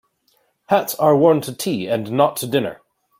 Hats are worn to tea and not to dinner.